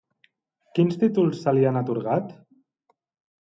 Quins títols se li han atorgat?